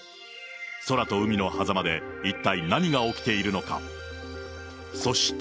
空と海のはざまで一体何が起きているのか。